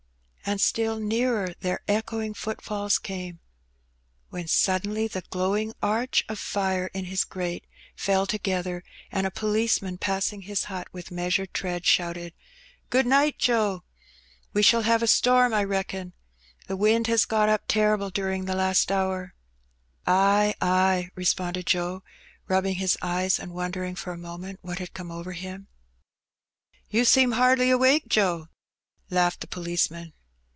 And still nearer their echoing footfalls came, when suddenly the glowing arch of fire in his grate fell together, and a policeman passing his hut with measured tread, shouted — ''Good night, Joe. We shall have a storm, I reckon; the wind has got up terrible during the last hour.'' ''Ay, ay,'' responded Joe, rubbing his eyes and won dering for a moment what had come over him. You seem hardly awake, Joe," laughed the policeman.